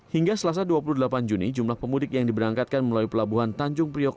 hingga selasa dua puluh delapan juni jumlah pemudik yang diberangkatkan melalui pelabuhan tanjung priok